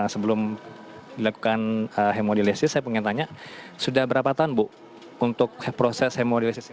sebelum dilakukan hemodialisis saya pengen tanya sudah berapa tahun bu untuk proses hemodialisis